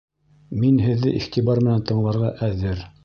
Мин һеҙҙе иғтибар менән тыңларға әҙер